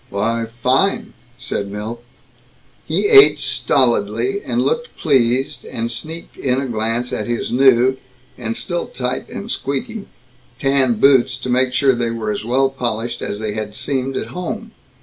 "Why, fine," said Milt. He ate stolidly, and looked pleased, and sneaked in a glance at his new (and still tight and still squeaky) tan boots to make sure that they were as well polished as they had seemed at home.